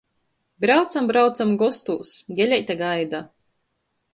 Braucam, braucam gostūs, Geleite gaida.